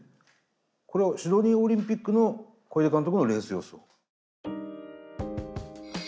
これはシドニーオリンピックの小出監督のレース予想？